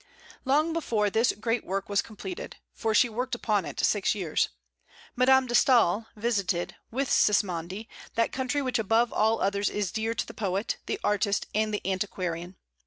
Long before this great work was completed, for she worked upon it six years, Madame de Staël visited, with Sismondi, that country which above all others is dear to the poet, the artist, and the antiquarian.